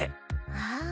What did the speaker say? ああ。